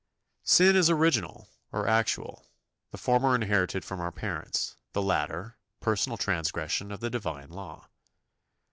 Sin is original or actual, the former inherited from our parents, the latter, personal transgression of the Divine law.